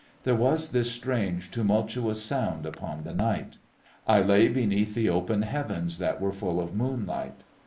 There was this strange, tumultuous sound upon the night. I lay beneath the open heavens that were full of moonlight.